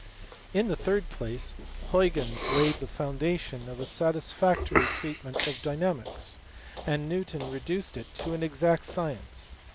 In the third place, Huygens laid the foundation of a satis factory treatment of dynamics, and Newton reduced it to an exact science.